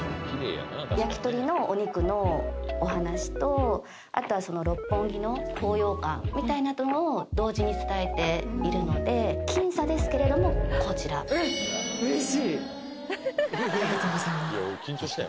焼き鳥のお肉のお話とあとはその六本木の高揚感みたいなのも同時に伝えているので僅差ですけれどもこちらありがとうございます